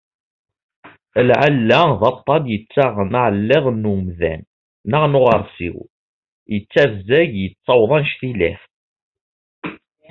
Lɛella d aṭan yettaɣen aɛelliḍ n umdan neɣ n uɣarsiw, yettabzag yettaweḍ anec-ilat.